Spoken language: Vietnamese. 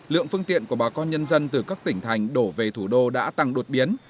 lượng phương tiện của bà con nhân dân từ các tỉnh thành đổ về thủ đô đã tăng đột biến